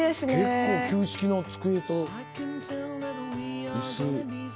結構旧式の机と椅子。